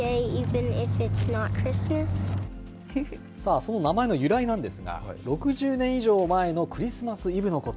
その名前の由来なんですが、６０年以上前のクリスマスイブのこと。